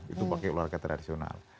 itu pakai olahraga tradisional